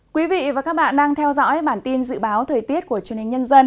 quý vị và các bạn đang theo dõi bản tin dự báo thời tiết của truyền hình nhân dân